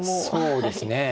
そうですね。